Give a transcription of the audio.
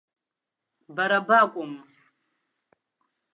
Бара бакәым!